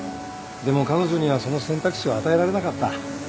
でも彼女にはその選択肢は与えられなかった。